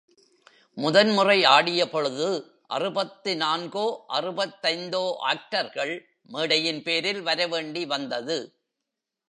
முதன்முறை ஆடியபொழுது அறுபத்து நான்கோ அறுபத்தைந்தோ ஆக்டர்கள் மேடையின் பேரில் வரவேண்டி வந்தது.